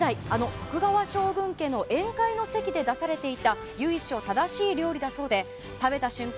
徳川将軍家の宴会の席で出されていた由緒正しい料理だそうで食べた瞬間